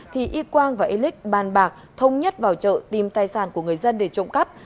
thì y quang và elic bàn bạc thông nhất vào chợ tìm tài sản của người dân để trộm cắp